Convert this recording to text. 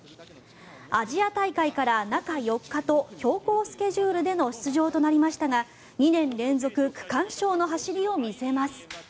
アジア大会から中４日と強行スケジュールでの出場となりましたが２年連続、区間賞の走りを見せます。